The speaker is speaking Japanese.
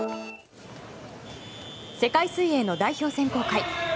世界水泳の代表選考会。